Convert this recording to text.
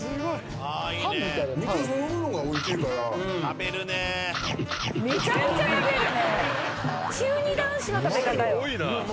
めちゃくちゃ食べるね。